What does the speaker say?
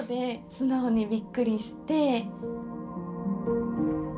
素直にびっくりして。